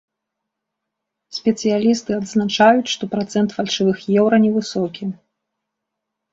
Спецыялісты адзначаюць, што працэнт фальшывых еўра не высокі.